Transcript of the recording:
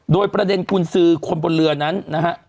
โดยประเด็นกุญสือคนบนเรือนั้นนะฮะ